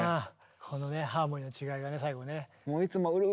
このねハーモニーの違いがね最後ね。